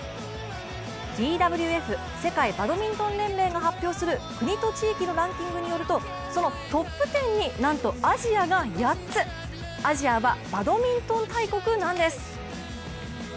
ＢＷＦ＝世界バドミントン連盟が発表する国と地域のランキングによるとそのトップ１０に、なんとアジアが８つ、アジアはバドミントン大国なんです。